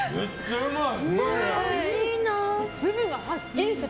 うまい！